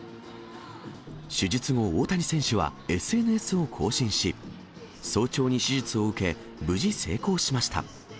手術後、大谷選手はＳＮＳを更新し、早朝に手術を受け、無事成功しました。